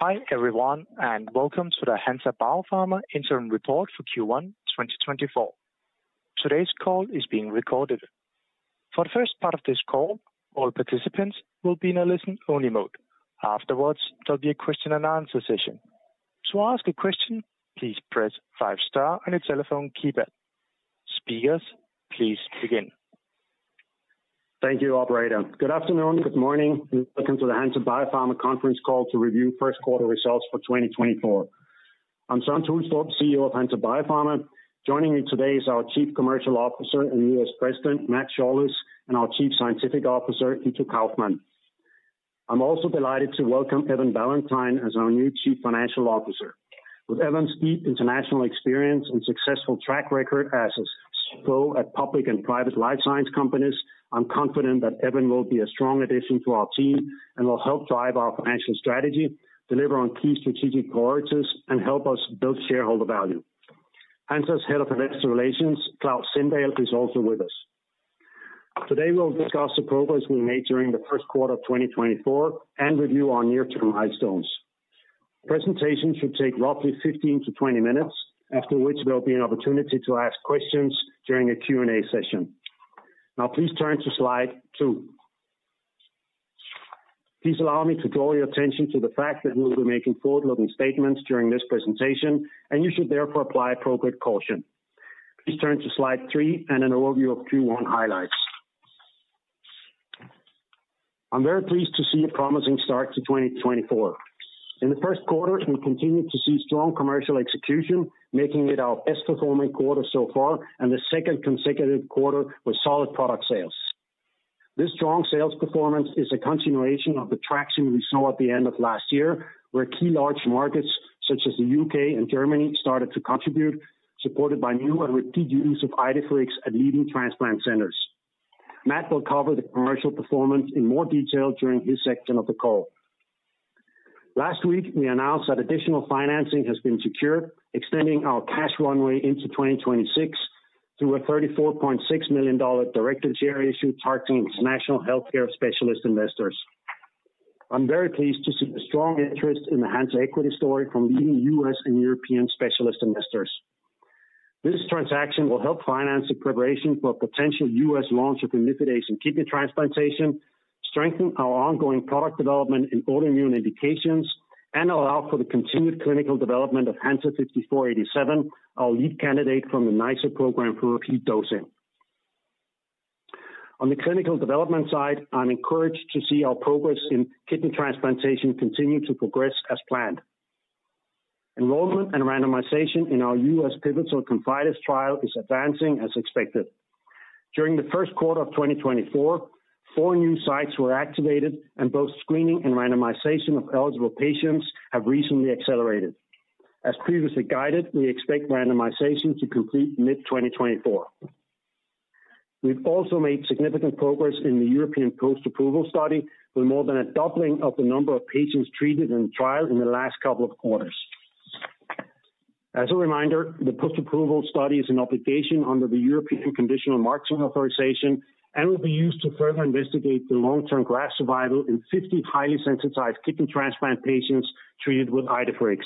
Hi, everyone, and welcome to the Hansa Biopharma interim report for Q1 2024. Today's call is being recorded. For the first part of this call, all participants will be in a listen-only mode. Afterwards, there'll be a question-and-answer session. To ask a question, please press five star on your telephone keypad. Speakers, please begin. Thank you, operator. Good afternoon, good morning, and welcome to the Hansa Biopharma conference call to review first quarter results for 2024. I'm Søren Tulstrup, CEO of Hansa Biopharma. Joining me today is our Chief Commercial Officer and US President, Matt Shaulis, and our Chief Scientific Officer, Hitto Kaufmann. I'm also delighted to welcome Evan Ballantyne as our new Chief Financial Officer. With Evan's deep international experience and successful track record as a CFO at public and private life science companies, I'm confident that Evan will be a strong addition to our team and will help drive our financial strategy, deliver on key strategic priorities, and help us build shareholder value. Hansa's Head of Investor Relations, Claus Sindballe, is also with us. Today, we'll discuss the progress we made during the first quarter of 2024 and review our near-term milestones. Presentation should take roughly 15-20 minutes, after which there will be an opportunity to ask questions during a Q&A session. Now, please turn to slide 2. Please allow me to draw your attention to the fact that we will be making forward-looking statements during this presentation, and you should therefore apply appropriate caution. Please turn to slide 3 and an overview of Q1 highlights. I'm very pleased to see a promising start to 2024. In the first quarter, we continued to see strong commercial execution, making it our best performing quarter so far and the second consecutive quarter with solid product sales. This strong sales performance is a continuation of the traction we saw at the end of last year, where key large markets such as the U.K. and Germany started to contribute, supported by new and repeated use of Idefirix at leading transplant centers. Matt will cover the commercial performance in more detail during his section of the call. Last week, we announced that additional financing has been secured, extending our cash runway into 2026 through a $34.6 million directed share issue targeting international healthcare specialist investors. I'm very pleased to see the strong interest in the Hansa equity story from leading U.S. and European specialist investors. This transaction will help finance the preparation for a potential U.S. launch of imlifidase and kidney transplantation, strengthen our ongoing product development in autoimmune indications, and allow for the continued clinical development of HNSA-5487, our lead candidate from the NiceR program for repeat dosing. On the clinical development side, I'm encouraged to see our progress in kidney transplantation continue to progress as planned. Enrollment and randomization in our U.S. pivotal ConfIdeS trial is advancing as expected. During the first quarter of 2024, 4 new sites were activated, and both screening and randomization of eligible patients have recently accelerated. As previously guided, we expect randomization to complete mid-2024. We've also made significant progress in the European post-approval study, with more than a doubling of the number of patients treated in the trial in the last couple of quarters. As a reminder, the post-approval study is an obligation under the European Conditional Marketing Authorisation and will be used to further investigate the long-term graft survival in 50 highly sensitized kidney transplant patients treated with Idefirix.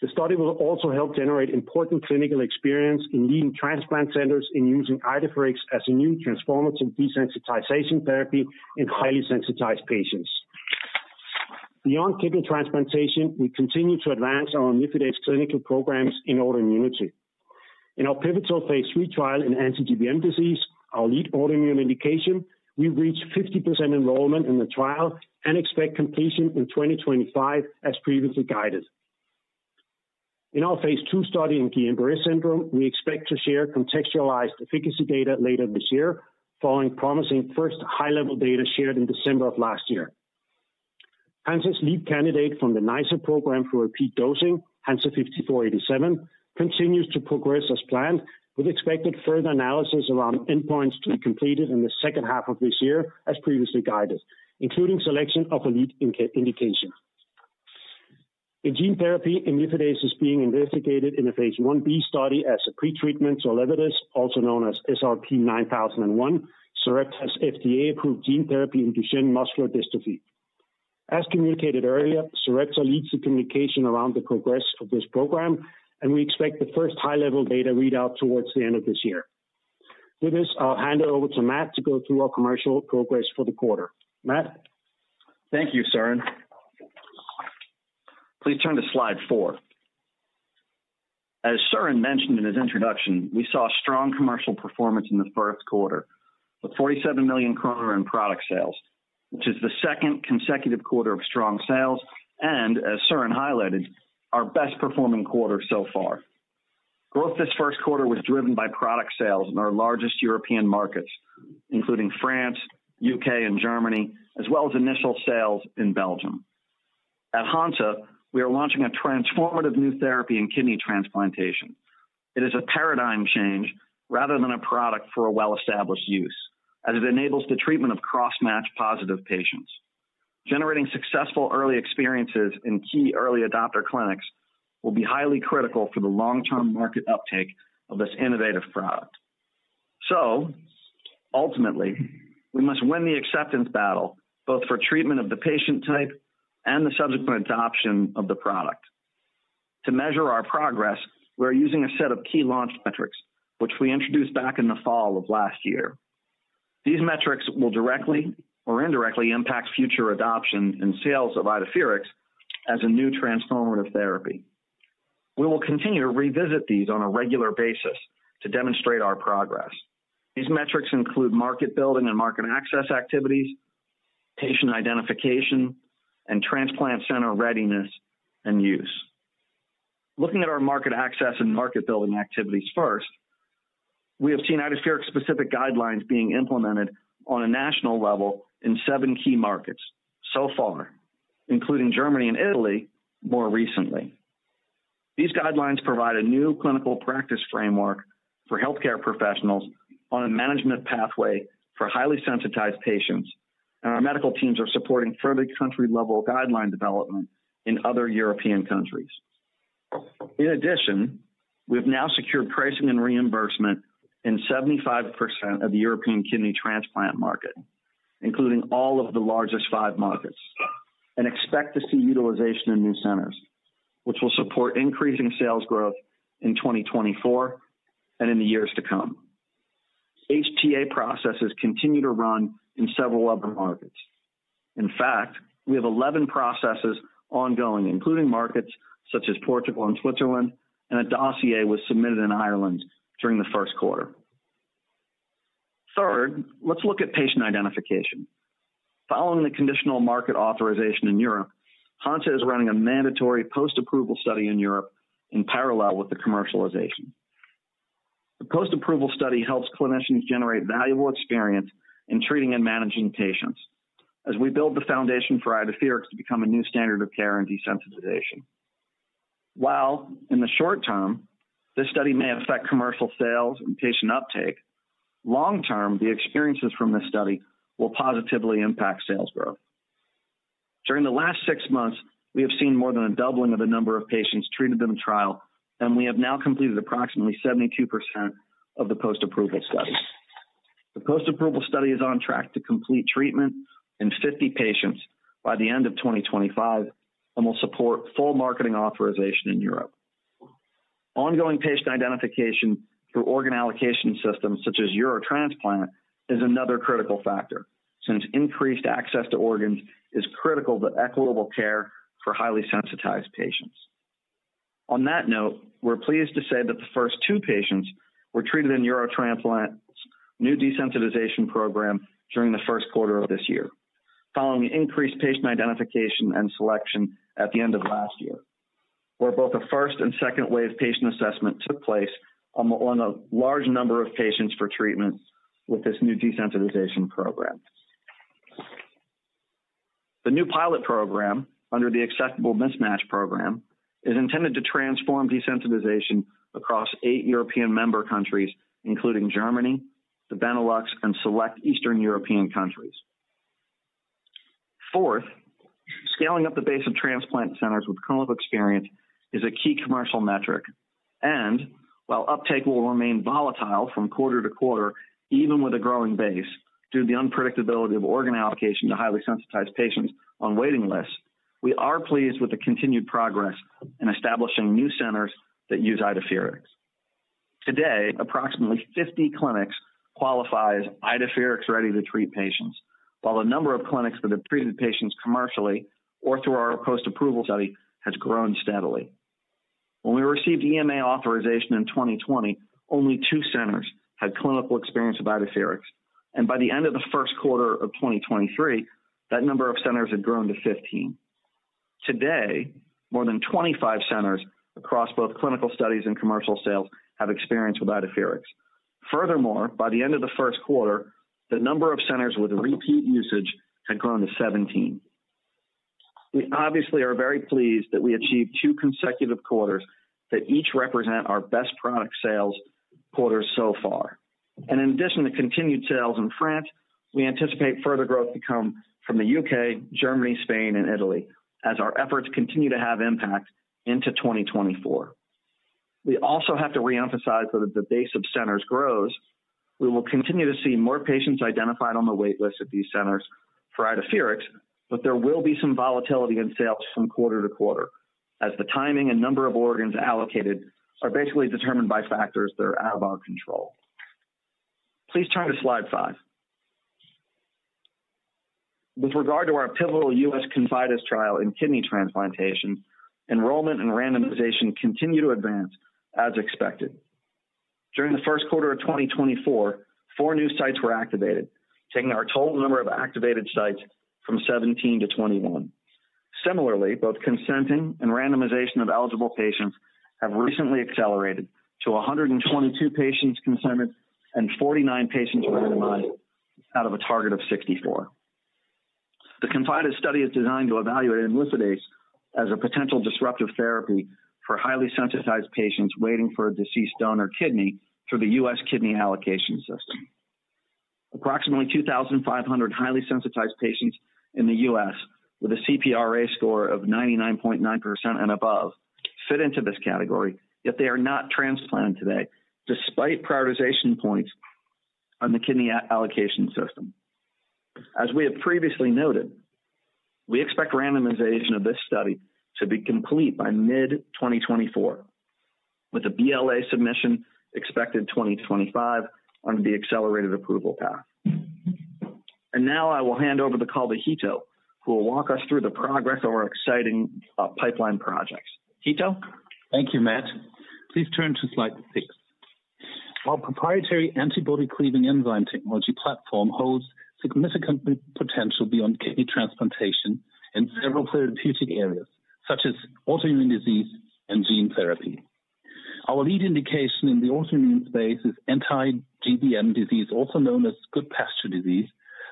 The study will also help generate important clinical experience in leading transplant centers in using Idefirix as a new transformative desensitization therapy in highly sensitized patients. Beyond kidney transplantation, we continue to advance our imlifidase clinical programs in autoimmunity. In our pivotal phase III trial in anti-GBM disease, our lead autoimmune indication, we've reached 50% enrollment in the trial and expect completion in 2025, as previously guided. In our phase II study in Guillain-Barré syndrome, we expect to share contextualized efficacy data later this year, following promising first high-level data shared in December of last year. Hansa's lead candidate from the NiceR program for repeat dosing, HNSA-5487, continues to progress as planned, with expected further analysis around endpoints to be completed in the second half of this year, as previously guided, including selection of a lead indication. In gene therapy, imlifidase is being investigated in phase I-B study as a pretreatment to Elevidys, also known as SRP-9001, Sarepta's FDA-approved gene therapy in Duchenne muscular dystrophy. As communicated earlier, Sarepta leads the communication around the progress of this program, and we expect the first high-level data readout towards the end of this year. With this, I'll hand it over to Matt to go through our commercial progress for the quarter. Matt? Thank you, Søren. Please turn to slide 4. As Søren mentioned in his introduction, we saw strong commercial performance in the first quarter, with 47 million kronor in product sales, which is the second consecutive quarter of strong sales, and as Søren highlighted, our best-performing quarter so far. Growth this first quarter was driven by product sales in our largest European markets, including France, UK, and Germany, as well as initial sales in Belgium. At Hansa, we are launching a transformative new therapy in kidney transplantation. It is a paradigm change rather than a product for a well-established use, as it enables the treatment of cross-match-positive patients. Generating successful early experiences in key early adopter clinics will be highly critical for the long-term market uptake of this innovative product. So ultimately, we must win the acceptance battle, both for treatment of the patient type and the subsequent adoption of the product. To measure our progress, we are using a set of key launch metrics, which we introduced back in the fall of last year. These metrics will directly or indirectly impact future adoption and sales of Idefirix as a new transformative therapy. We will continue to revisit these on a regular basis to demonstrate our progress. These metrics include market building and market access activities, patient identification, and transplant center readiness and use. Looking at our market access and market building activities first, we have seen Idefirix-specific guidelines being implemented on a national level in seven key markets so far, including Germany and Italy more recently. These guidelines provide a new clinical practice framework for healthcare professionals on a management pathway for highly sensitized patients, and our medical teams are supporting further country-level guideline development in other European countries. In addition, we've now secured pricing and reimbursement in 75% of the European kidney transplant market, including all of the largest five markets, and expect to see utilization in new centers, which will support increasing sales growth in 2024 and in the years to come. HTA processes continue to run in several other markets. In fact, we have 11 processes ongoing, including markets such as Portugal and Switzerland, and a dossier was submitted in Ireland during the first quarter. Third, let's look at patient identification. Following the conditional market authorization in Europe, Hansa is running a mandatory post-approval study in Europe in parallel with the commercialization. The post-approval study helps clinicians generate valuable experience in treating and managing patients as we build the foundation for Idefirix to become a new standard of care in desensitization. While in the short term, this study may affect commercial sales and patient uptake, long-term, the experiences from this study will positively impact sales growth. During the last six months, we have seen more than a doubling of the number of patients treated in the trial, and we have now completed approximately 72% of the post-approval study. The post-approval study is on track to complete treatment in 50 patients by the end of 2025 and will support full marketing authorization in Europe. Ongoing patient identification through organ allocation systems, such as Eurotransplant, is another critical factor, since increased access to organs is critical to equitable care for highly sensitized patients. On that note, we're pleased to say that the first two patients were treated in Eurotransplant's new desensitization program during the first quarter of this year, following increased patient identification and selection at the end of last year, where both a first and second wave patient assessment took place on a large number of patients for treatment with this new desensitization program. The new pilot program, under the Acceptable Mismatch Program, is intended to transform desensitization across eight European member countries, including Germany, the Benelux, and select Eastern European countries. Fourth, scaling up the base of transplant centers with clinical experience is a key commercial metric, and while uptake will remain volatile from quarter to quarter, even with a growing base, due to the unpredictability of organ allocation to highly sensitized patients on waiting lists, we are pleased with the continued progress in establishing new centers that use Idefirix. Today, approximately 50 clinics qualify as Idefirix, ready to treat patients, while the number of clinics that have treated patients commercially or through our post-approval study has grown steadily. When we received EMA authorization in 2020, only 2 centers had clinical experience with Idefirix, and by the end of the first quarter of 2023, that number of centers had grown to 15. Today, more than 25 centers across both clinical studies and commercial sales have experience with Idefirix. Furthermore, by the end of the first quarter, the number of centers with repeat usage had grown to 17. We obviously are very pleased that we achieved 2 consecutive quarters that each represent our best product sales quarters so far. In addition to continued sales in France, we anticipate further growth to come from the U.K., Germany, Spain, and Italy as our efforts continue to have impact into 2024. We also have to reemphasize that as the base of centers grows, we will continue to see more patients identified on the wait list at these centers for Idefirix, but there will be some volatility in sales from quarter to quarter, as the timing and number of organs allocated are basically determined by factors that are out of our control. Please turn to slide 5. With regard to our pivotal U.S. ConfIdeS trial in kidney transplantation, enrollment and randomization continue to advance as expected. During the first quarter of 2024, 4 new sites were activated, taking our total number of activated sites from 17 to 21. Similarly, both consenting and randomization of eligible patients have recently accelerated to 122 patients consented and 49 patients randomized out of a target of 64. The ConfIdeS study is designed to evaluate imlifidase as a potential disruptive therapy for highly sensitized patients waiting for a deceased donor kidney through the U.S. Kidney Allocation System... approximately 2,500 highly sensitized patients in the U.S. with a CPRA score of 99.9% and above fit into this category, yet they are not transplanted today, despite prioritization points on the kidney allocation system. As we have previously noted, we expect randomization of this study to be complete by mid-2024, with a BLA submission expected 2025 under the accelerated approval path. And now I will hand over the call to Hitto, who will walk us through the progress of our exciting pipeline projects. Hitto? Thank you, Matt. Please turn to slide 6. Our proprietary antibody cleaving enzyme technology platform holds significant potential beyond kidney transplantation in several therapeutic areas, such as autoimmune disease and gene therapy. Our lead indication in the autoimmune space is anti-GBM disease, also known as Goodpasture disease,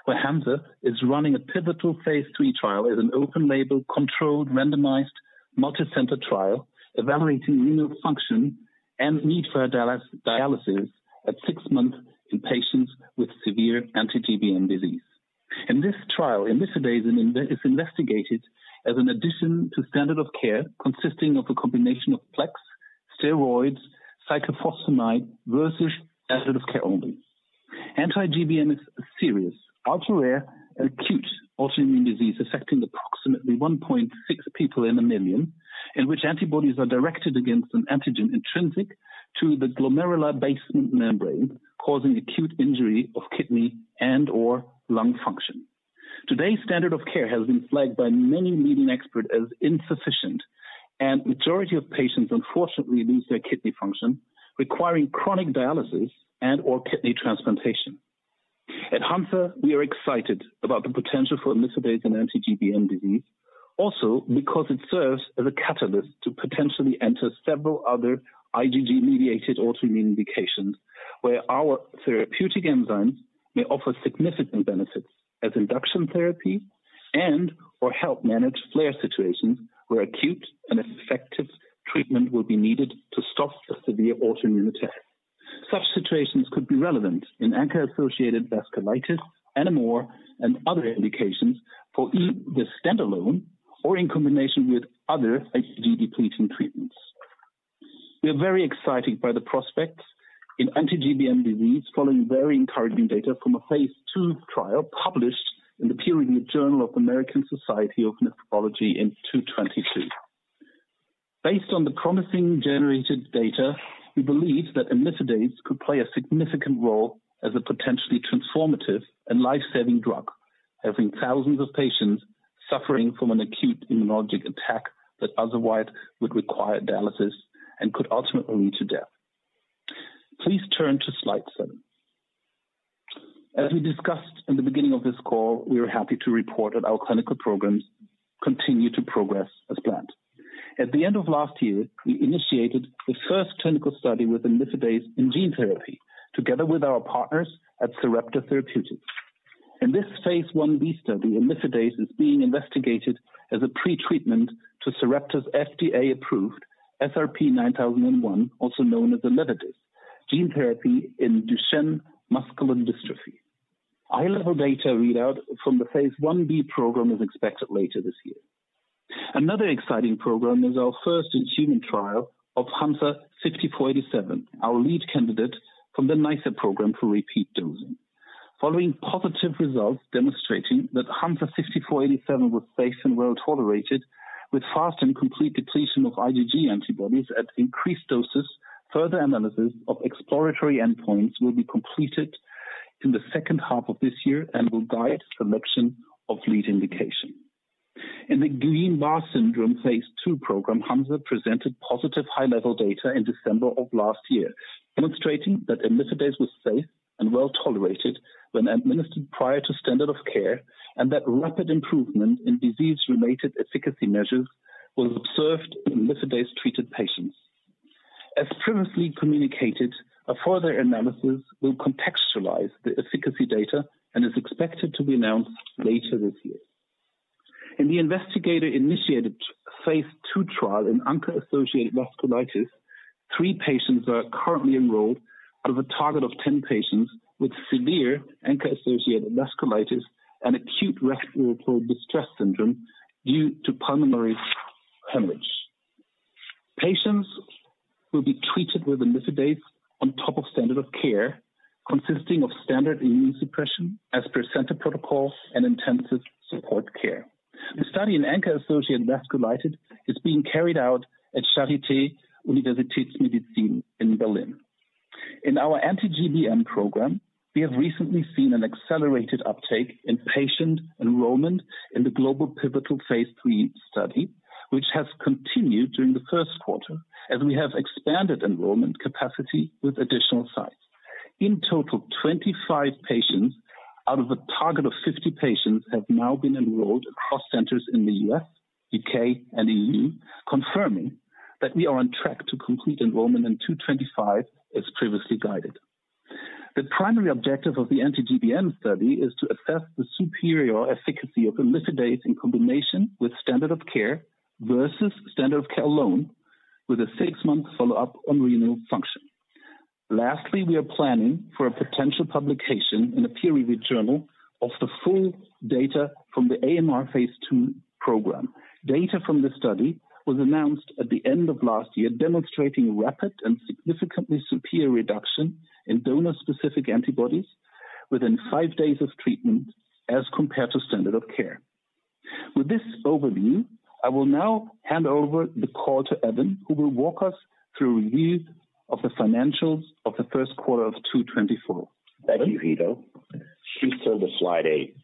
where Hansa is running a pivotal phase III trial as an open label, controlled, randomized, multicenter trial, evaluating imlifidase and need for dialysis at six months in patients with severe anti-GBM disease. In this trial, imlifidase is investigated as an addition to standard of care, consisting of a combination of PLEX, steroids, cyclophosphamide versus standard of care only. Anti-GBM is a serious, ultra-rare, and acute autoimmune disease affecting approximately 1.6 people in a million, in which antibodies are directed against an antigen intrinsic to the glomerular basement membrane, causing acute injury of kidney and/or lung function. Today's standard of care has been flagged by many leading experts as insufficient, and majority of patients unfortunately lose their kidney function, requiring chronic dialysis and/or kidney transplantation. At Hansa, we are excited about the potential for imlifidase in anti-GBM disease. Also, because it serves as a catalyst to potentially enter several other IgG-mediated autoimmune indications, where our therapeutic enzymes may offer significant benefits as induction therapy and/or help manage flare situations where acute and effective treatment will be needed to stop the severe autoimmune attack. Such situations could be relevant in ANCA-associated vasculitis, and more, and other indications for either with standalone or in combination with other IgG-depleting treatments. We are very excited by the prospects in anti-GBM disease, following very encouraging data from a phase II trial published in the peer-reviewed Journal of American Society of Nephrology in 2022. Based on the promising generated data, we believe that imlifidase could play a significant role as a potentially transformative and life-saving drug, helping thousands of patients suffering from an acute immunologic attack that otherwise would require dialysis and could ultimately lead to death. Please turn to slide 7. As we discussed in the beginning of this call, we are happy to report that our clinical programs continue to progress as planned. At the end of last year, we initiated the first clinical study with imlifidase in gene therapy, together with our partners at Sarepta Therapeutics. In phase I-B study, imlifidase is being investigated as a pretreatment to Sarepta's FDA-approved SRP-9001, also known as Elevidys, gene therapy in Duchenne muscular dystrophy. High-level data readout from phase I-B program is expected later this year. Another exciting program is our first in human trial of HNSA-5487, our lead candidate from the NiceR program for repeat dosing. Following positive results demonstrating that HNSA-5487 was safe and well tolerated, with fast and complete depletion of IgG antibodies at increased doses, further analysis of exploratory endpoints will be completed in the second half of this year and will guide selection of lead indication. In the Guillain-Barré syndrome phase II program, Hansa presented positive high-level data in December of last year, demonstrating that imlifidase was safe and well tolerated when administered prior to standard of care, and that rapid improvement in disease-related efficacy measures was observed in imlifidase-treated patients. As previously communicated, a further analysis will contextualize the efficacy data and is expected to be announced later this year. In the investigator-initiated phase II trial in ANCA-associated vasculitis, 3 patients are currently enrolled out of a target of 10 patients with severe ANCA-associated vasculitis and acute respiratory distress syndrome due to pulmonary hemorrhage. Patients will be treated with imlifidase on top of standard of care, consisting of standard immune suppression as per center protocols and intensive support care. The study in ANCA-associated vasculitis is being carried out at Charité Universitätsmedizin in Berlin. In our anti-GBM program, we have recently seen an accelerated uptake in patient enrollment in the global pivotal phase III study, which has continued during the first quarter, as we have expanded enrollment capacity with additional sites. In total, 25 patients out of a target of 50 patients have now been enrolled across centers in the U.S., U.K., and EU, confirming that we are on track to complete enrollment in 2025, as previously guided. The primary objective of the anti-GBM study is to assess the superior efficacy of imlifidase in combination with standard of care versus standard of care alone.... with a six-month follow-up on renal function. Lastly, we are planning for a potential publication in a peer-reviewed journal of the full data from the AMR phase II program. Data from the study was announced at the end of last year, demonstrating rapid and significantly superior reduction in donor-specific antibodies within 5 days of treatment as compared to standard of care. With this overview, I will now hand over the call to Evan, who will walk us through a review of the financials of the first quarter of 2024. Thank you, Hitto. Please turn to slide 8.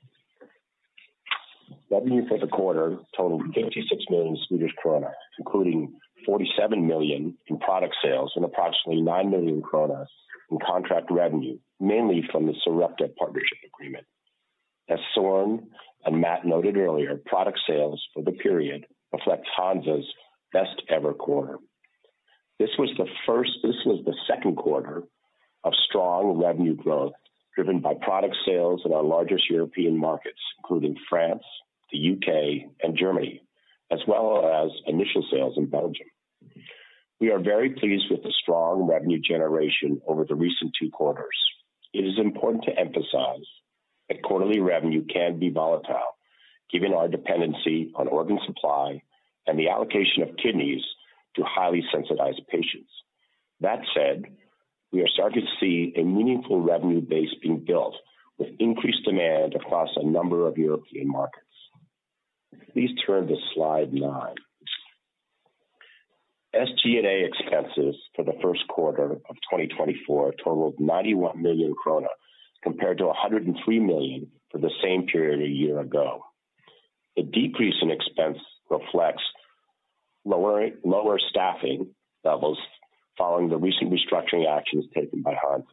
Revenue for the quarter totaled 86 million Swedish krona, including 47 million in product sales and approximately 9 million kronor in contract revenue, mainly from the Sarepta partnership agreement. As Søren and Matt noted earlier, product sales for the period reflects Hansa's best-ever quarter. This was the second quarter of strong revenue growth, driven by product sales in our largest European markets, including France, the U.K., and Germany, as well as initial sales in Belgium. We are very pleased with the strong revenue generation over the recent two quarters. It is important to emphasize that quarterly revenue can be volatile, given our dependency on organ supply and the allocation of kidneys to highly sensitized patients. That said, we are starting to see a meaningful revenue base being built, with increased demand across a number of European markets. Please turn to slide 9. SG&A expenses for the first quarter of 2024 totaled 91 million krona, compared to 103 million for the same period a year ago. The decrease in expense reflects lower staffing levels following the recent restructuring actions taken by Hansa.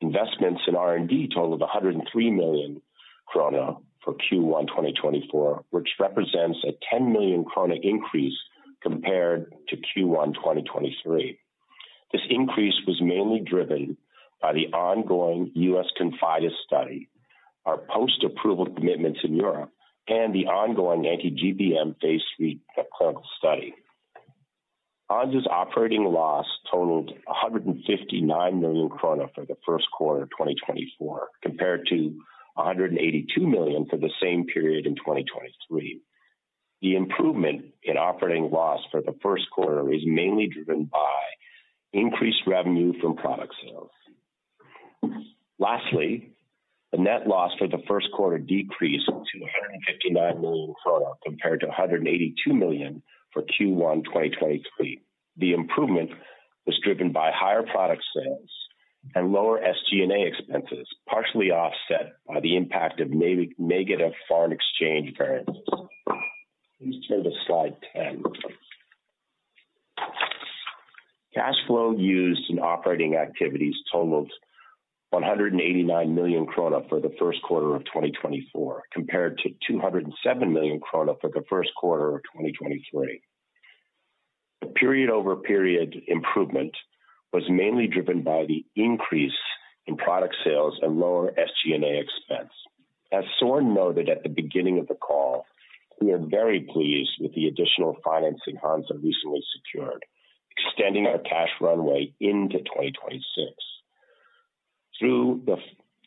Investments in R&D totaled 103 million krona for Q1 2024, which represents a 10 million krona increase compared to Q1 2023. This increase was mainly driven by the ongoing US ConfIdeS study, our post-approval commitments in Europe, and the ongoing anti-GBM phase III clinical study. Hansa's operating loss totaled 159 million krona for the first quarter of 2024, compared to 182 million for the same period in 2023. The improvement in operating loss for the first quarter is mainly driven by increased revenue from product sales. Lastly, the net loss for the first quarter decreased to 159 million, compared to 182 million for Q1 2023. The improvement was driven by higher product sales and lower SG&A expenses, partially offset by the impact of negative foreign exchange variances. Please turn to slide 10. Cash flow used in operating activities totaled 189 million krona for the first quarter of 2024, compared to 207 million krona for the first quarter of 2023. The period-over-period improvement was mainly driven by the increase in product sales and lower SG&A expense. As Søren noted at the beginning of the call, we are very pleased with the additional financing Hansa recently secured, extending our cash runway into 2026. Through the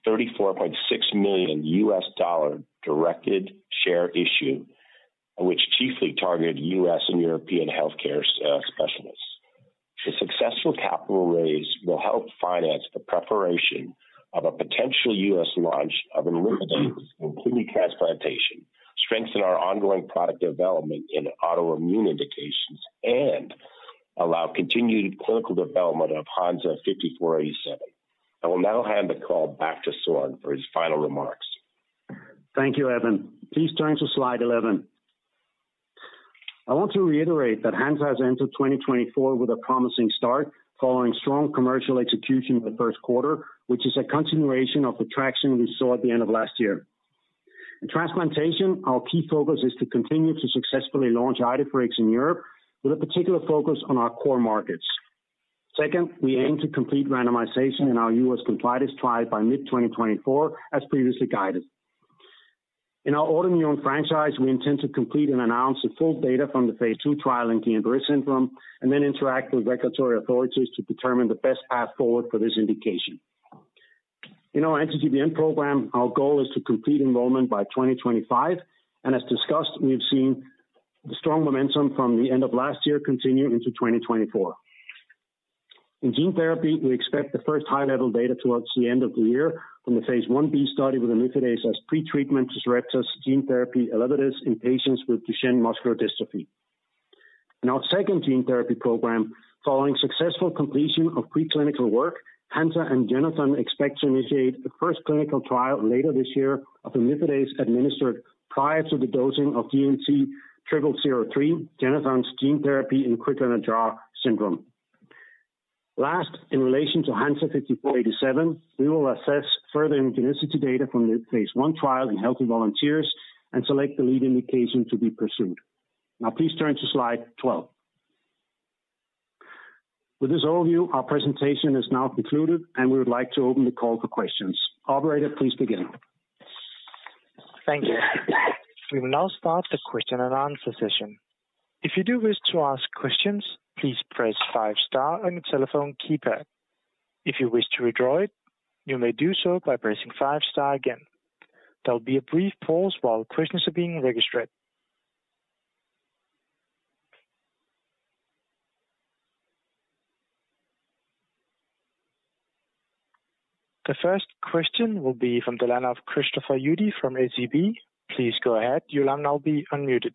$34.6 million U.S. dollar directed share issue, which chiefly targeted U.S. and European healthcare specialists. The successful capital raise will help finance the preparation of a potential U.S. launch of imlifidase for kidney transplantation, strengthen our ongoing product development in autoimmune indications, and allow continued clinical development of HNSA-5487. I will now hand the call back to Søren for his final remarks. Thank you, Evan. Please turn to slide 11. I want to reiterate that Hansa has entered 2024 with a promising start following strong commercial execution in the first quarter, which is a continuation of the traction we saw at the end of last year. In transplantation, our key focus is to continue to successfully launch Idefirix in Europe, with a particular focus on our core markets. Second, we aim to complete randomization in our US ConfIdeS trial by mid-2024, as previously guided. In our autoimmune franchise, we intend to complete and announce the full data from the phase II trial in Sjögren's syndrome, and then interact with regulatory authorities to determine the best path forward for this indication. In our anti-GBM program, our goal is to complete enrollment by 2025, and as discussed, we've seen the strong momentum from the end of last year continue into 2024. In gene therapy, we expect the first high-level data towards the end of the year on phase I-B study with imlifidase as pretreatment to Sarepta's gene therapy, Elevidys, in patients with Duchenne muscular dystrophy. In our second gene therapy program, following successful completion of preclinical work, Hansa and Genethon expect to initiate the first clinical trial later this year of imlifidase administered prior to the dosing of GNT-0003, Genethon's gene therapy in Krabbe syndrome. Last, in relation to HNSA-5487, we will assess further immunogenicity data from the phase I trial in healthy volunteers and select the lead indication to be pursued. Now please turn to slide 12. With this overview, our presentation is now concluded, and we would like to open the call for questions. Operator, please begin.... Thank you. We will now start the question and answer session. If you do wish to ask questions, please press five star on your telephone keypad. If you wish to withdraw it, you may do so by pressing five star again. There will be a brief pause while questions are being registered. The first question will be from the line of Christopher Uhde from SEB. Please go ahead. Your line will now be unmuted.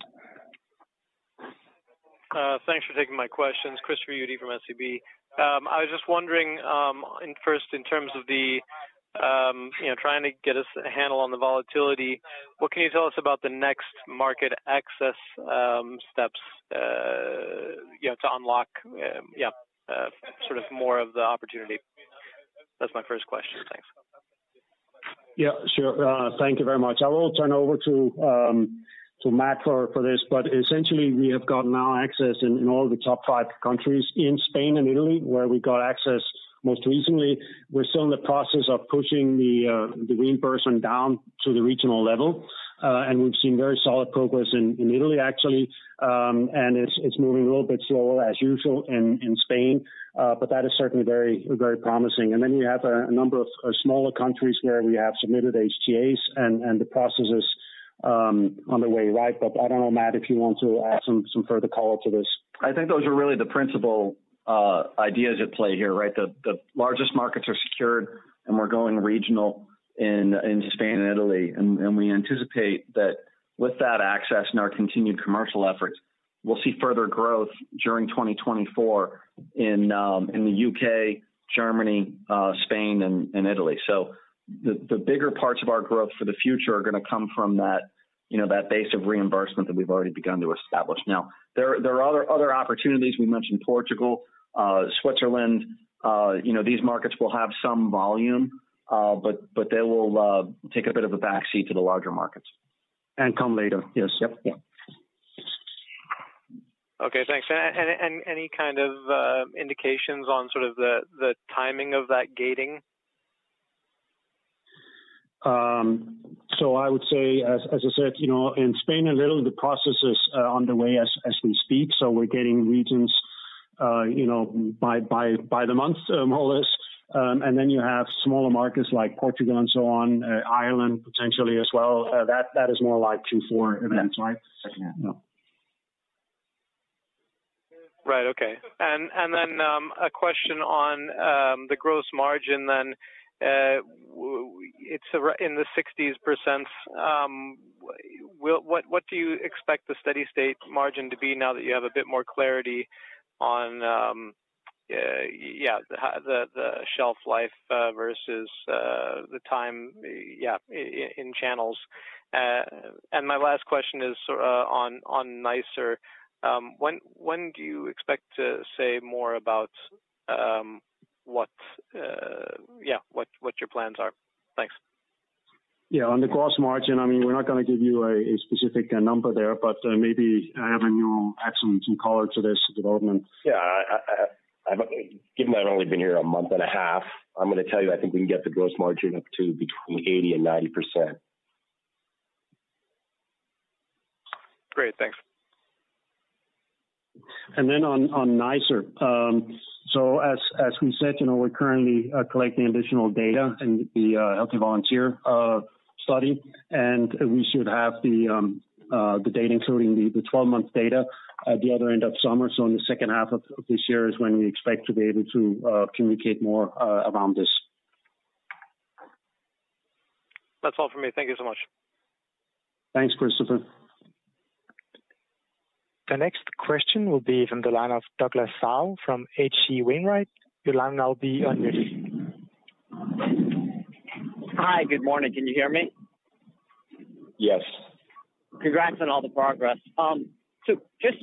Thanks for taking my questions. Christopher Uhde from SEB. I was just wondering, in first, in terms of the, you know, trying to get us a handle on the volatility, what can you tell us about the next market access, steps, you know, to unlock, yeah, sort of more of the opportunity? That's my first question. Thanks. Yeah, sure. Thank you very much. I will turn over to Matt for this, but essentially, we have got now access in all the top five countries in Spain and Italy, where we got access most recently. We're still in the process of pushing the reimbursement down to the regional level, and we've seen very solid progress in Italy, actually. And it's moving a little bit slower, as usual in Spain, but that is certainly very, very promising. And then you have a number of smaller countries where we have submitted HTAs and the process is on the way, right? But I don't know, Matt, if you want to add some further color to this. I think those are really the principal ideas at play here, right? The largest markets are secured, and we're going regional in Spain and Italy. And we anticipate that with that access and our continued commercial efforts, we'll see further growth during 2024 in the UK, Germany, Spain, and Italy. So the bigger parts of our growth for the future are gonna come from that, you know, that base of reimbursement that we've already begun to establish. Now, there are other opportunities. We mentioned Portugal, Switzerland. You know, these markets will have some volume, but they will take a bit of a backseat to the larger markets. Come later. Yes. Yep. Yeah. Okay, thanks. And any kind of indications on sort of the timing of that gating? So I would say, as I said, you know, in Spain and Italy, the process is on the way as we speak, so we're getting regions, you know, by the month, more or less. And then you have smaller markets like Portugal and so on, Ireland, potentially as well. That is more like 2-4 events, right? Yeah. Yeah. Right. Okay. And then, a question on the gross margin then. What it's in the 60s%. What do you expect the steady state margin to be now that you have a bit more clarity on the shelf life versus the time in channels? And my last question is on NiceR. When do you expect to say more about what your plans are? Thanks. Yeah, on the gross margin, I mean, we're not gonna give you a specific number there, but maybe Evan, you add some color to this development. Yeah, given that I've only been here a month and a half, I'm gonna tell you, I think we can get the gross margin up to between 80% and 90%. Great. Thanks. And then on NiceR. So as we said, you know, we're currently collecting additional data in the healthy volunteer study, and we should have the data, including the 12-month data, at the other end of summer. So in the second half of this year is when we expect to be able to communicate more around this. That's all for me. Thank you so much. Thanks, Christopher. The next question will be from the line of Douglas Tsao from H.C. Wainwright. Your line will now be unmuted. Hi, good morning. Can you hear me? Yes. Congrats on all the progress. So just,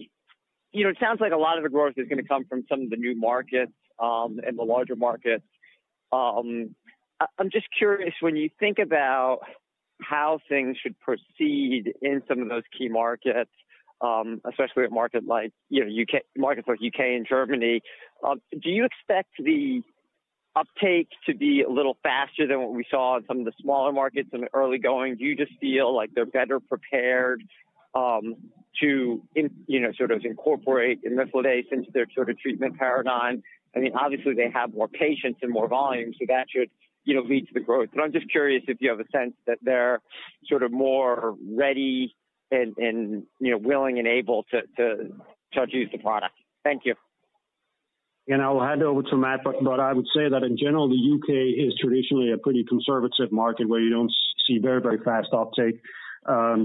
you know, it sounds like a lot of the growth is gonna come from some of the new markets, and the larger markets. I'm just curious, when you think about how things should proceed in some of those key markets, especially a market like, you know, U.K., markets like U.K. and Germany, do you expect the uptake to be a little faster than what we saw in some of the smaller markets in the early going? Do you just feel like they're better prepared, to in, you know, sort of incorporate in this day since their sort of treatment paradigm? I mean, obviously they have more patients and more volume, so that should, you know, lead to the growth. I'm just curious if you have a sense that they're sort of more ready and you know willing and able to use the product. Thank you. I'll hand over to Matt, but I would say that in general, the UK is traditionally a pretty conservative market where you don't see very, very fast uptake.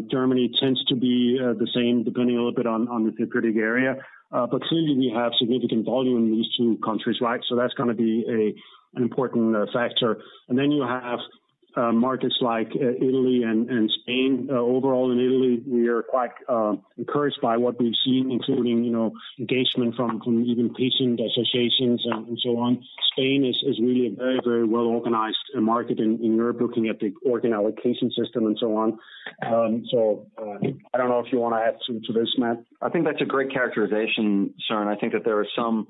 Germany tends to be the same, depending a little bit on the therapeutic area. But clearly we have significant volume in these two countries, right? So that's gonna be an important factor. And then you have markets like Italy and Spain. Overall in Italy, we are quite encouraged by what we've seen, including, you know, engagement from even patient associations and so on. Spain is really a very, very well-organized market in Europe, looking at the organ allocation system and so on. So, I don't know if you want to add some to this, Matt. I think that's a great characterization, Sir, and I think that there are some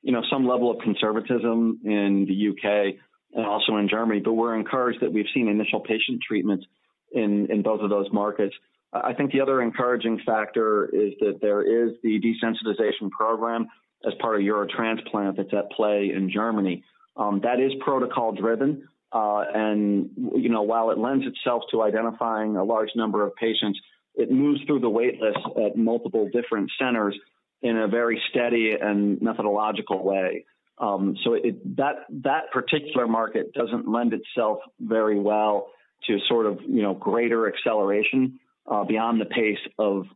you know, some level of conservatism in the UK and also in Germany, but we're encouraged that we've seen initial patient treatment in both of those markets. I think the other encouraging factor is that there is the desensitization program as part of Eurotransplant that's at play in Germany. That is protocol-driven, and, you know, while it lends itself to identifying a large number of patients, it moves through the wait list at multiple different centers in a very steady and methodological way. So that particular market doesn't lend itself very well to sort of, you know, greater acceleration beyond the pace of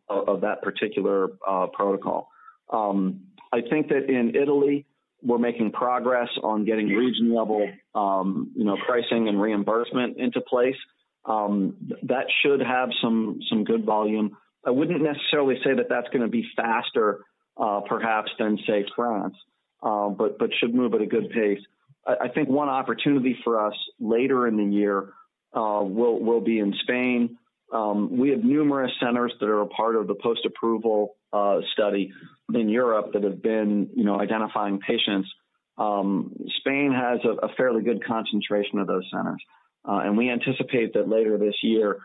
that particular protocol. I think that in Italy, we're making progress on getting region-level, you know, pricing and reimbursement into place. That should have some good volume. I wouldn't necessarily say that that's gonna be faster, perhaps than, say, France, but should move at a good pace. I think one opportunity for us later in the year, will be in Spain. We have numerous centers that are a part of the post-approval study in Europe that have been, you know, identifying patients. Spain has a fairly good concentration of those centers, and we anticipate that later this year,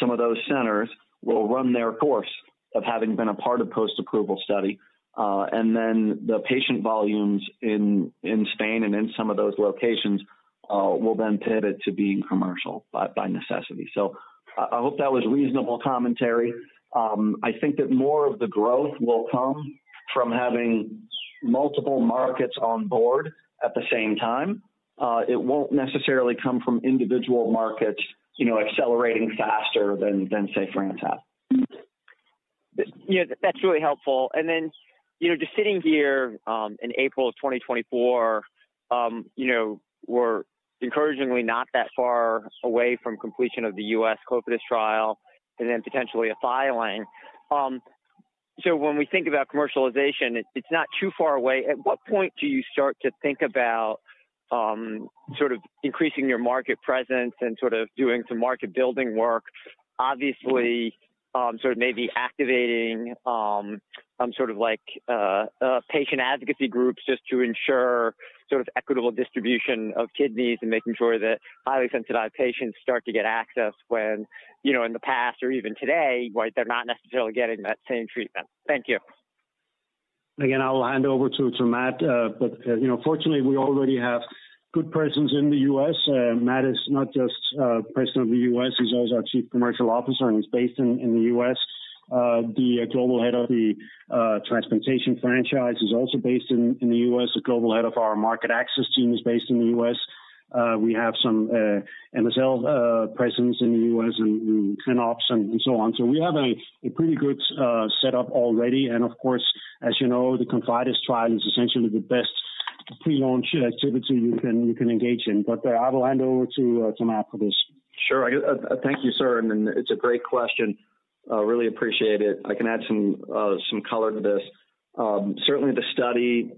some of those centers will run their course of having been a part of post-approval study, and then the patient volumes in Spain and in some of those locations will then pivot to being commercial by necessity. So I hope that was reasonable commentary. I think that more of the growth will come from having multiple markets on board at the same time. It won't necessarily come from individual markets, you know, accelerating faster than, say, France has. Yeah, that's really helpful. And then, you know, just sitting here in April 2024, you know, we're encouragingly not that far away from completion of the US ConfIdeS trial and then potentially a filing. So when we think about commercialization, it's not too far away. At what point do you start to think about sort of increasing your market presence and sort of doing some market building work? Obviously, sort of maybe activating some sort of, like, patient advocacy groups just to ensure sort of equitable distribution of kidneys and making sure that highly sensitized patients start to get access when, you know, in the past or even today, right, they're not necessarily getting that same treatment. Thank you. Again, I will hand over to Matt. But, you know, fortunately, we already have good presence in the U.S. Matt is not just president of the U.S., he's also our Chief Commercial Officer, and he's based in the U.S. The global head of the transplantation franchise is also based in the U.S. The global head of our market access team is based in the U.S. We have some MSL presence in the U.S. and clin ops and so on. So we have a pretty good setup already. And of course, as you know, the ConfIdeS trial is essentially the best pre-launch activity you can engage in. But I will hand over to Matt for this. Sure. I thank you, sir, and it's a great question. Really appreciate it. I can add some color to this. Certainly the study,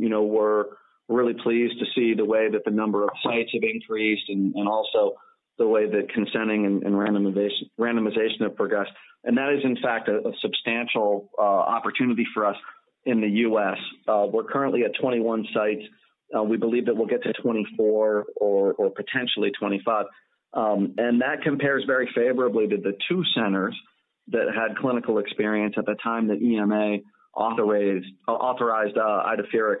you know, we're really pleased to see the way that the number of sites have increased and also the way that consenting and randomization have progressed. And that is, in fact, a substantial opportunity for us in the U.S. We're currently at 21 sites. We believe that we'll get to 24 or potentially 25. And that compares very favorably to the 2 centers that had clinical experience at the time that EMA authorized Idefirix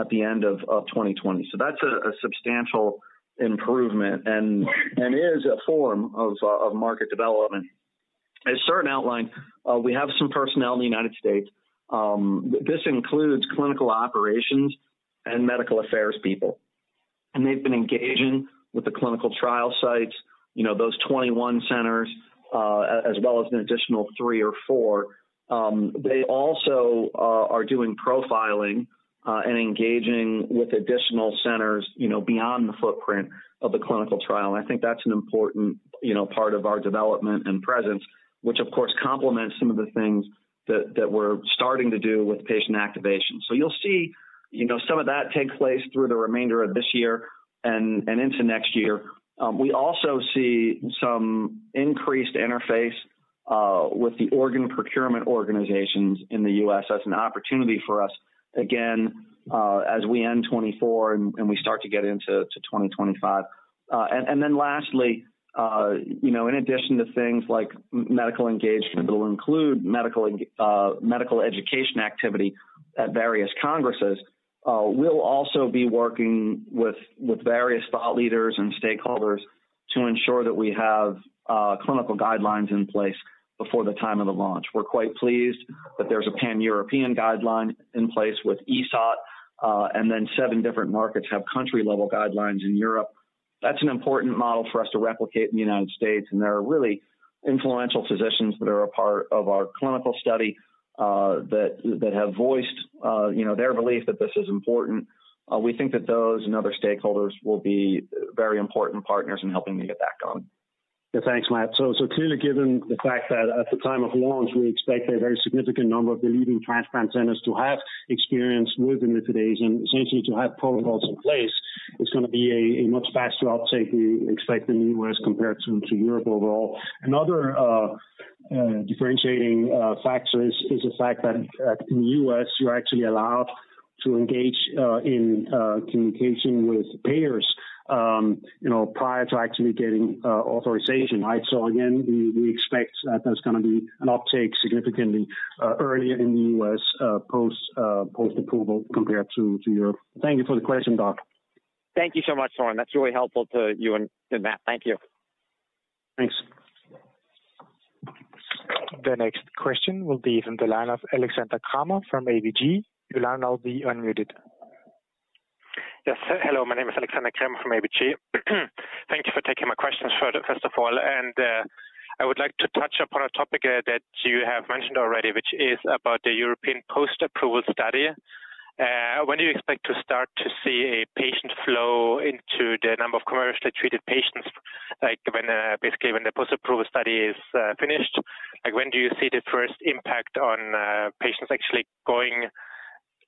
at the end of 2020. So that's a substantial improvement and is a form of market development. As Søren outlined, we have some personnel in the United States. This includes clinical operations and medical affairs people, and they've been engaging with the clinical trial sites, you know, those 21 centers, as well as an additional 3 or 4. They also are doing profiling and engaging with additional centers, you know, beyond the footprint of the clinical trial. I think that's an important, you know, part of our development and presence, which, of course, complements some of the things that we're starting to do with patient activation. So you'll see, you know, some of that take place through the remainder of this year and into next year. We also see some increased interface with the organ procurement organizations in the US. That's an opportunity for us, again, as we end 2024 and we start to get into 2025. And then lastly, you know, in addition to things like medical engagement, it'll include medical education activity at various congresses. We'll also be working with various thought leaders and stakeholders to ensure that we have clinical guidelines in place before the time of the launch. We're quite pleased that there's a Pan-European guideline in place with ESOT, and then seven different markets have country-level guidelines in Europe. That's an important model for us to replicate in the United States, and there are really influential physicians that are a part of our clinical study that have voiced, you know, their belief that this is important. We think that those and other stakeholders will be very important partners in helping me get that done. Yeah, thanks, Matt. So clearly, given the fact that at the time of launch, we expect a very significant number of the leading transplant centers to have experience with imlifidase and essentially to have protocols in place, it's gonna be a much faster uptake we expect in the US compared to Europe overall. Another differentiating factors is the fact that in the US you're actually allowed to engage in communication with payers, you know, prior to actually getting authorization, right? So again, we expect that there's gonna be an uptake significantly earlier in the US post-approval compared to Europe. Thank you for the question, Doc. Thank you so much, Søren. That's really helpful to you and Matt. Thank you. Thanks. The next question will be from the line of Alexander Krämer from ABG. Your line will now be unmuted. Yes. Hello, my name is Alexander Krämer from ABG. Thank you for taking my questions first of all, and I would like to touch upon a topic that you have mentioned already, which is about the European post-approval study. When do you expect to start to see a patient flow into the number of commercially treated patients, like, when basically, when the post-approval study is finished? Like, when do you see the first impact on patients actually going,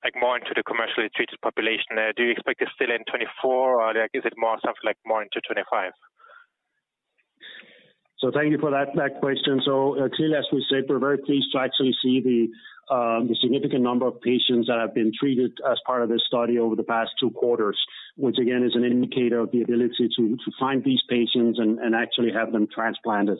like, more into the commercially treated population? Do you expect this still in 2024, or, like, is it more something like more into 2025? So thank you for that, that question. So, clearly, as we said, we're very pleased to actually see the, the significant number of patients that have been treated as part of this study over the past two quarters, which again, is an indicator of the ability to, to find these patients and, and actually have them transplanted.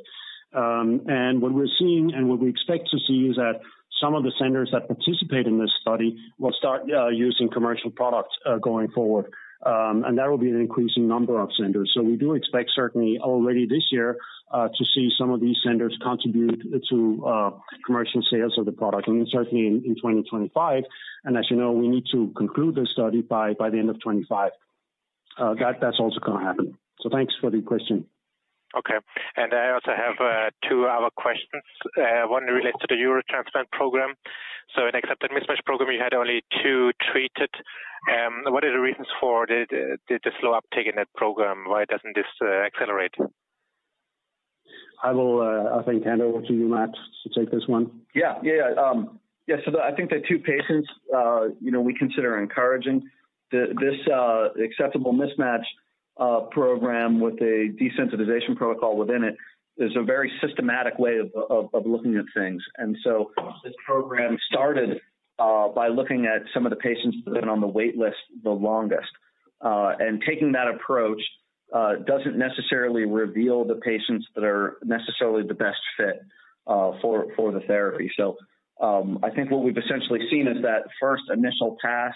And what we're seeing and what we expect to see is that some of the centers that participate in this study will start, using commercial products, going forward. And that will be an increasing number of centers. So we do expect certainly already this year, to see some of these centers contribute to, commercial sales of the product, and then certainly in, in 2025. And as you know, we need to conclude this study by, by the end of 2025. That's also gonna happen. So thanks for the question. Okay. And I also have two other questions. One relates to the Eurotransplant program. So in Acceptable Mismatch Program, you had only two treated. What are the reasons for the slow uptake in that program? Why doesn't this accelerate? I will, I think, hand over to you, Matt, to take this one. Yeah. Yeah, yeah. Yeah, so I think the two patients, you know, we consider encouraging. This Acceptable Mismatch program with a desensitization protocol within it is a very systematic way of looking at things. And so this program started by looking at some of the patients that have been on the wait list the longest. Taking that approach doesn't necessarily reveal the patients that are necessarily the best fit for the therapy. So, I think what we've essentially seen is that first initial pass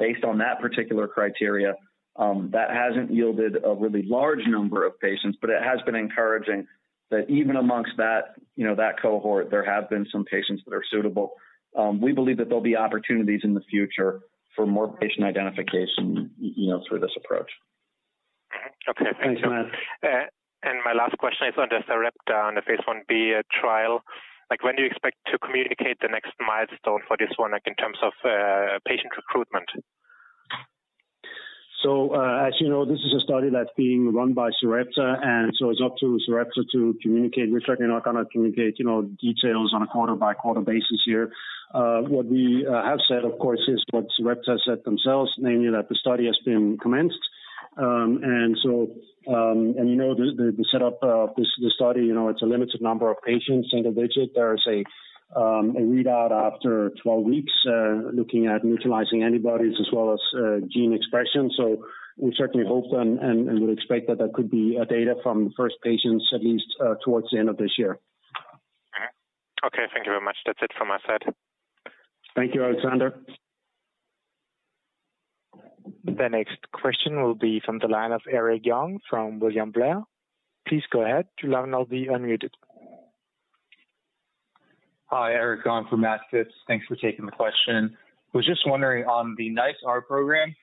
based on that particular criteria that hasn't yielded a really large number of patients, but it has been encouraging that even amongst that, you know, that cohort, there have been some patients that are suitable. We believe that there'll be opportunities in the future for more patient identification, you know, through this approach. Okay, thank you. Thanks, Matt. My last question is on the Sarepta on phase I-B trial. Like, when do you expect to communicate the next milestone for this one, like, in terms of patient recruitment? So, as you know, this is a study that's being run by Sarepta, and so it's up to Sarepta to communicate. We're certainly not gonna communicate, you know, details on a quarter-by-quarter basis here. What we have said, of course, is what Sarepta said themselves, namely, that the study has been commenced. And so, and you know, the setup of this study, you know, it's a limited number of patients, single digit. There is a readout after 12 weeks, looking at neutralizing antibodies as well as gene expression. So we certainly hope and would expect that there could be data from the first patients at least, towards the end of this year. Okay. Thank you very much. That's it from my side. Thank you, Alexander. The next question will be from the line of Eric Young from William Blair. Please go ahead. Your line will now be unmuted. Hi, Eric on for Matt Phipps. Thanks for taking the question. Was just wondering on the NiceR program,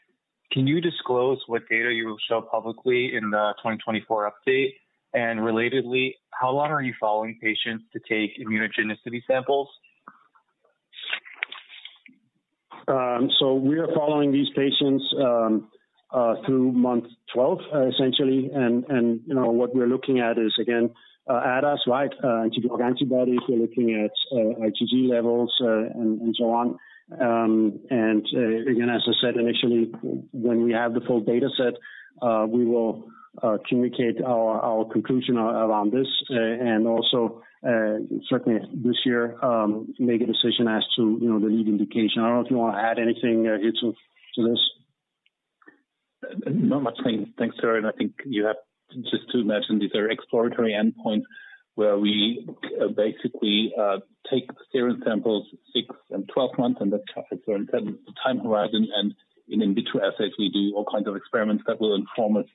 can you disclose what data you will show publicly in the 2024 update? And relatedly, how long are you following patients to take immunogenicity samples? So we are following these patients through month 12, essentially. And, you know, what we're looking at is, again, ADAs, right? Antibodies. We're looking at IgG levels, and so on. And, again, as I said initially, when we have the full data set, we will communicate our conclusion around this, and also, certainly this year, make a decision as to, you know, the lead indication. I don't know if you want to add anything, Hitto, to this. Not much. Thanks, Eric, and I think you have just to imagine these are exploratory endpoints where we basically take serum samples 6 and 12 months, and that covers our intended time horizon. And in vitro assays, we do all kinds of experiments that will inform us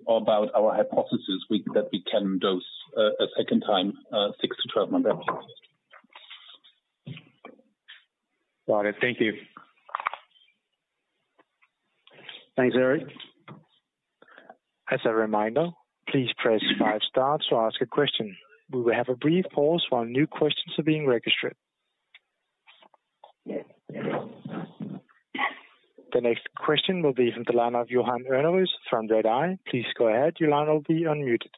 about our hypothesis, that we can dose a second time 6-12 months after. Got it. Thank you. Thanks, Eric. As a reminder, please press five star to ask a question. We will have a brief pause while new questions are being registered. The next question will be from the line of Johan Unnérus from Redeye. Please go ahead. Your line will be unmuted.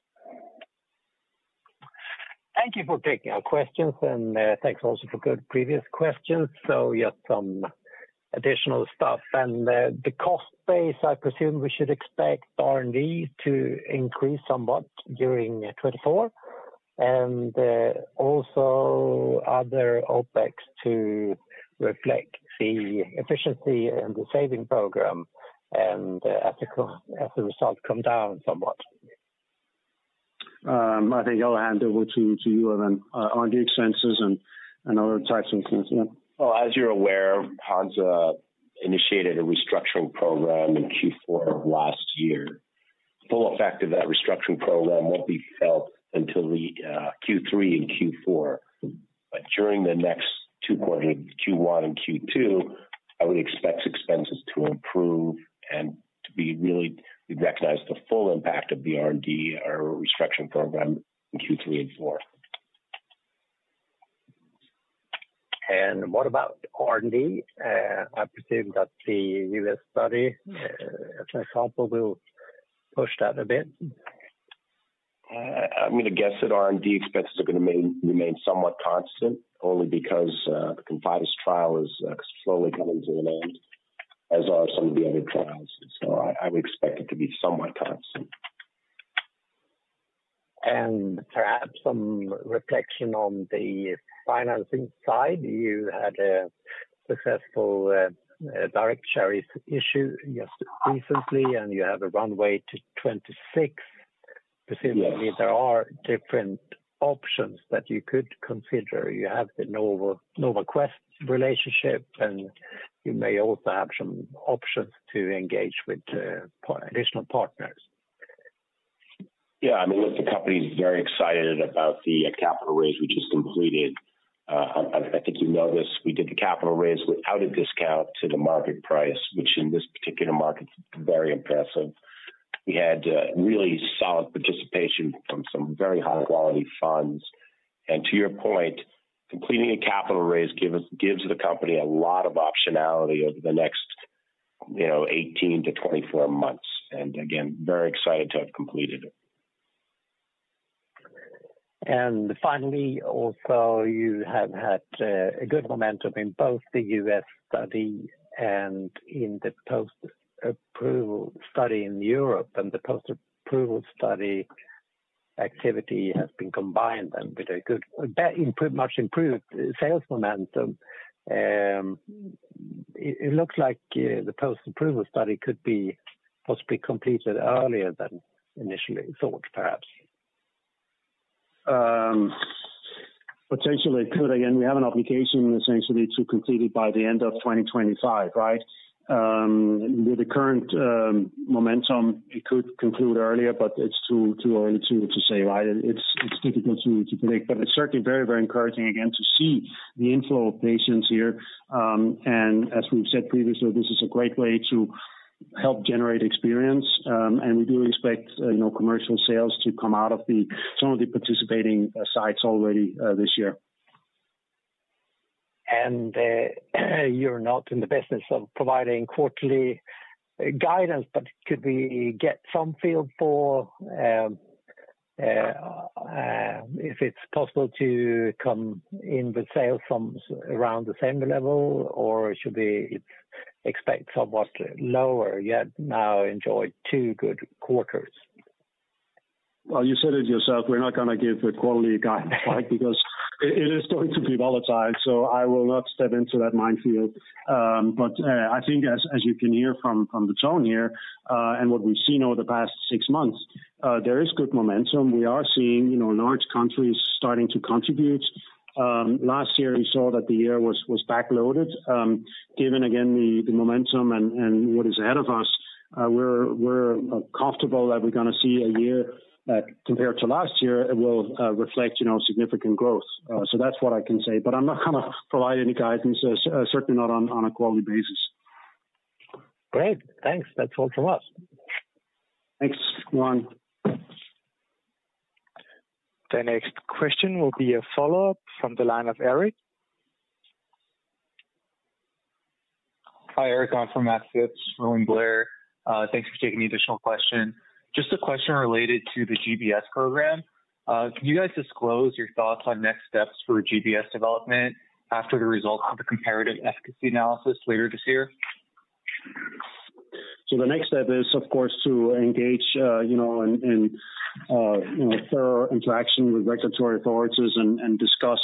Thank you for taking our questions, and thanks also for good previous questions. So just some additional stuff. And the cost base, I presume we should expect R&D to increase somewhat during 2024, and also other OpEx to reflect the efficiency and the saving program, and as the result come down somewhat. I think I'll hand over to you and then on the expenses and other types of things, yeah. Well, as you're aware, Hansa initiated a restructuring program in Q4 last year. The full effect of that restructuring program won't be felt until the Q3 and Q4. But during the next two quarter, Q1 and Q2, I would expect expenses to improve and to be really recognize the full impact of the R&D or restructuring program in Q3 and Q4. What about R&D? I presume that the US study, example, will push that a bit. I'm gonna guess that R&D expenses are gonna remain somewhat constant, only because the ConfIdeS trial is slowly coming to an end, as are some of the other trials. So I would expect it to be somewhat constant. Perhaps some reflection on the financing side. You had a successful direct shares issue just recently, and you have a runway to 2026. Yes. Presumably, there are different options that you could consider. You have the Novo, NovaQuest relationship, and you may also have some options to engage with additional partners. Yeah, I mean, look, the company is very excited about the capital raise we just completed. I, I think you know this, we did the capital raise without a discount to the market price, which in this particular market, is very impressive. We had really solid participation from some very high-quality funds. And to your point, completing a capital raise gives the company a lot of optionality over the next, you know, 18-24 months, and again, very excited to have completed it. And finally, also, you have had a good momentum in both the US study and in the post-approval study in Europe, and the post-approval study activity has been combined and with a good, much improved sales momentum. It looks like the post-approval study could be possibly completed earlier than initially thought, perhaps. Potentially it could. Again, we have an obligation, essentially, to complete it by the end of 2025, right? With the current momentum, it could conclude earlier, but it's too early to say, right? It's difficult to predict, but it's certainly very, very encouraging, again, to see the inflow of patients here. And as we've said previously, this is a great way to help generate experience, and we do expect, you know, commercial sales to come out of the some of the participating sites already this year. You're not in the business of providing quarterly guidance, but could we get some feel for if it's possible to come in with sales from around the same level, or should we expect somewhat lower, yet now enjoy two good quarters? Well, you said it yourself, we're not going to give a quarterly guidance, right? Because it is going to be volatile, so I will not step into that minefield. But I think as you can hear from the tone here and what we've seen over the past six months, there is good momentum. We are seeing, you know, large countries starting to contribute. Last year, we saw that the year was backloaded. Given again, the momentum and what is ahead of us, we're comfortable that we're gonna see a year compared to last year will reflect, you know, significant growth. So that's what I can say, but I'm not gonna provide any guidance, certainly not on a quarterly basis. Great. Thanks. That's all from us. Thanks, Johan. The next question will be a follow-up from the line of Eric. Hi, Eric on from Matt Phipps, from Blair. Thanks for taking the additional question. Just a question related to the GBS program. Can you guys disclose your thoughts on next steps for GBS development after the results of the comparative efficacy analysis later this year? So the next step is, of course, to engage, you know, in, in, you know, thorough interaction with regulatory authorities and, and discuss,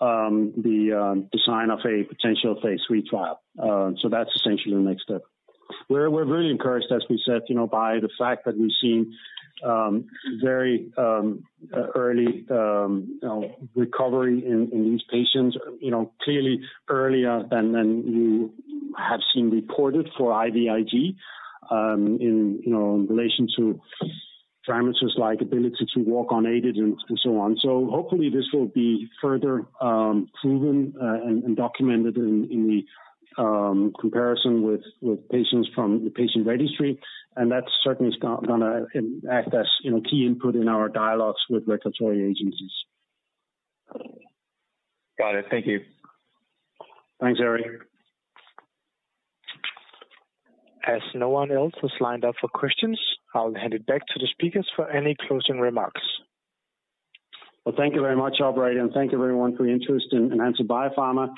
the, design of a potential phase III trial. So that's essentially the next step. We're, we're really encouraged, as we said, you know, by the fact that we've seen, very, early, you know, recovery in, in these patients, you know, clearly earlier than, than you have seen reported for IVIG, in, you know, in relation to parameters like ability to walk unaided and, and so on. So hopefully this will be further, proven, and, and documented in, in the, comparison with, with patients from the patient registry, and that certainly is gonna act as, you know, key input in our dialogues with regulatory agencies. Got it. Thank you. Thanks, Eric. As no one else is lined up for questions, I'll hand it back to the speakers for any closing remarks. Well, thank you very much, operator, and thank you everyone for your interest in Hansa Biopharma.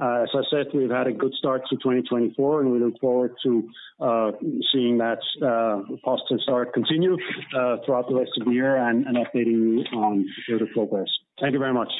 As I said, we've had a good start to 2024, and we look forward to seeing that positive start continue throughout the rest of the year and updating you on further progress. Thank you very much.